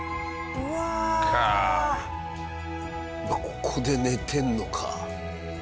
ここで寝てるのか。